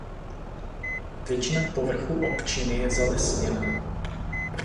Většina povrchu občiny je zalesněná.